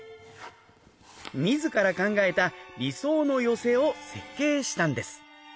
自ら考えた理想の寄席を設計したんです。